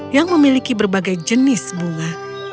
yang memiliki berbagai jenis bunga